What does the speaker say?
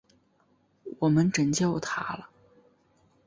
我们拯救他了！